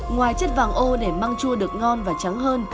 ngoài chất vàng ô để măng chua được ngon và trắng hơn